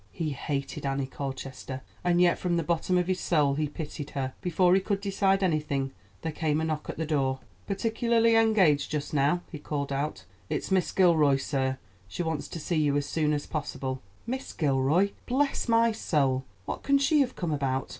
He hated Annie Colchester, and yet from the bottom of his soul he pitied her. Before he could decide anything, there came a knock at the door. "Particularly engaged just now," he called out. "It's Miss Gilroy, sir. She wants to see you as soon as possible." "Miss Gilroy! Bless my soul! what can she have come about?"